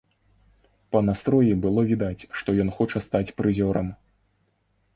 Па настроі было відаць, што ён хоча стаць прызёрам.